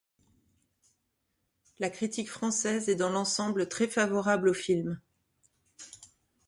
La critique française est dans l'ensemble très favorable au film.